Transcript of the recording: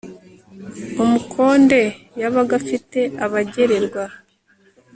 umukonde yabaga afite abagererwa